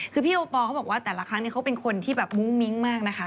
คือพี่โอปอลเขาบอกว่าแต่ละครั้งเขาเป็นคนที่แบบมุ้งมิ้งมากนะคะ